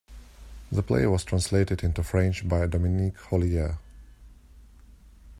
The play was translated into French by Dominique Hollier.